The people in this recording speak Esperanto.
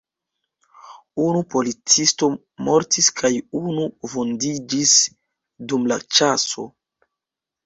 Unu policisto mortis kaj unu vundiĝis dum la ĉaso.